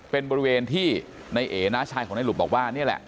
เป็นบริเวณที่ในเอน้าชายของในหลุบบอกว่านี่แหละ